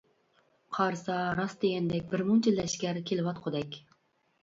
قارىسا، راست دېگەندەك بىر مۇنچە لەشكەر كېلىۋاتقۇدەك.